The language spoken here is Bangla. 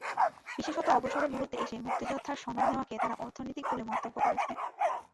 বিশেষত অবসরের মুহূর্তে এসে মুক্তিযোদ্ধার সনদ নেওয়াকে তাঁরা অনৈতিক বলে মন্তব্য করেছেন।